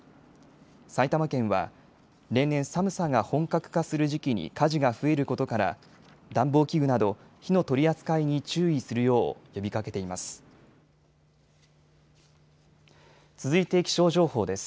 埼玉県は例年、寒さが本格化する時期に火事が増えることから暖房器具など火の取り扱いに注意するよう呼びかけています。